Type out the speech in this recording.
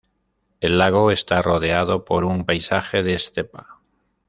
El lago está rodeado por un paisaje de estepa.